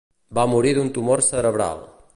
Va morir d'un tumor cerebral.